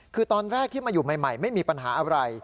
คือตอนแรกที่มาอยู่ใหม่ไม่มีปัญหาอะไร